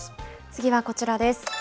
次はこちらです。